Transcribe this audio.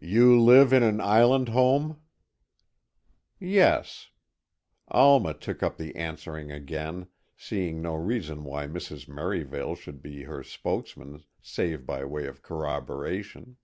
"You live in an island home?" "Yes." Alma took up the answering again, seeing no reason why Mrs. Merivale should be her spokesman save by way of corroboration.